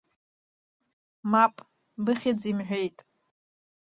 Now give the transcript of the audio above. Мап, быхьӡ имҳәеит.